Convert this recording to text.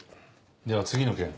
では次の件。